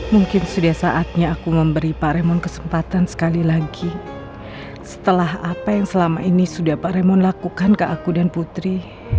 mungkin sudah saatnya aku memberi pak remon kesempatan sekali lagi setelah apa yang selama ini sudah pak remon lakukan ke aku dan putri